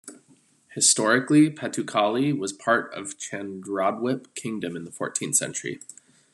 Historically, Patuakhali was part of Chandradwip kingdom in the fourteenth century.